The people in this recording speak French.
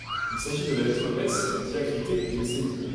Il s'agit de la lettre S diacritée d'une cédille.